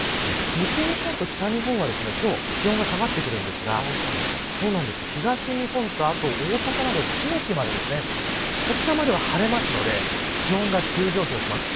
西日本と北日本は今日気温が下がってくるんですが東日本と、あと大阪など近畿までこちらまでは晴れるので気温が急上昇します。